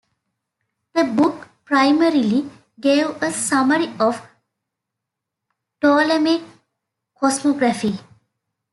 The book primarily gave a summary of Ptolemic cosmography.